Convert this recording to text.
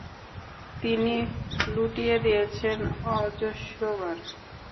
তিনি লুটিয়ে দিয়েছেন অজস্রবার।